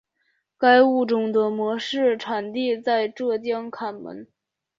该物种的模式产地在浙江坎门。